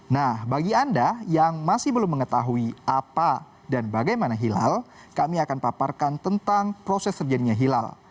nah bagi anda yang masih belum mengetahui apa dan bagaimana hilal kami akan paparkan tentang proses terjadinya hilal